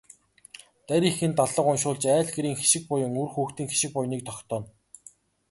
Дарь эхийн даллага уншуулж айл гэрийн хишиг буян, үр хүүхдийн хишиг буяныг тогтооно.